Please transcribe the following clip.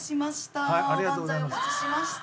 おばんざいお持ちしました。